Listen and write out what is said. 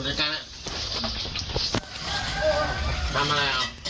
ทำอะไรเอา